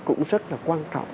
cũng rất là quan trọng